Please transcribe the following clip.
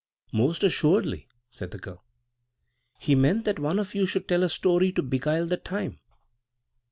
"Most assuredly," said the girl. "He meant that one of you should tell a story to beguile the time."